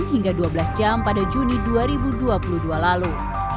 hingga dua belas jam pada juni dua ribu dua puluh dua lalu